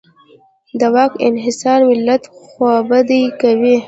د واک انحصار ملت خوابدی کوي.